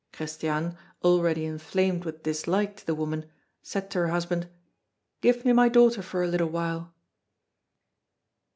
Christiane, already inflamed with dislike to the woman, said to her husband: "Give me my daughter for a little while."